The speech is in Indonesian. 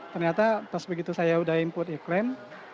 ternyata pas begitu saya sudah input iklim